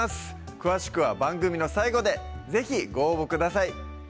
詳しくは番組の最後で是非ご応募ください